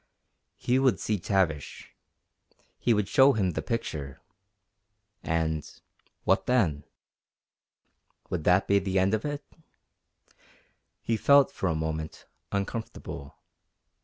He would see Tavish. He would show him the picture. And what then? Would that be the end of it? He felt, for a moment, uncomfortable.